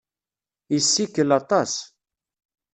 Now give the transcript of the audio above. Yessikel aṭas.